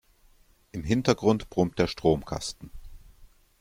Im Hintergrund brummt der Stromkasten.